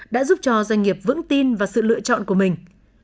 đã giúp cho doanh nghiệp vững tin vào sự lựa chọn của mình